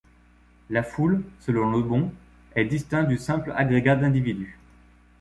La foule, selon Le Bon, est distincte du simple agrégat d'individus.